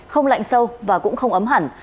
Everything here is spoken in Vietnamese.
không lạnh sâu và cũng không ấm hẳn